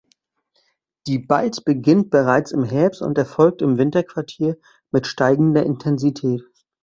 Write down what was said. Die Balz beginnt bereits im Herbst und erfolgt im Winterquartier mit steigender Intensität.